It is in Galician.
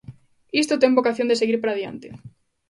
Isto ten vocación de seguir para diante.